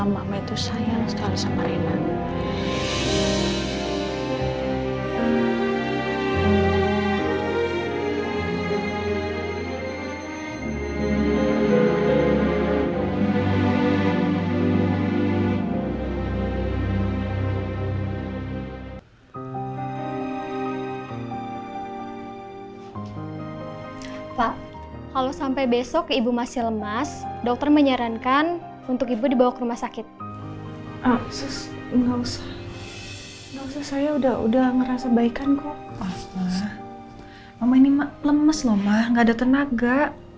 mama mama ini lemas loh ma nggak ada tenaga